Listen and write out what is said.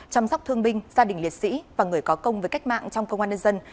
chăm sóc thương binh gia đình liệt sĩ và người có công với cách mạng trong công an nhân dân